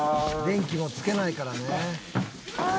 電気もつけないからね。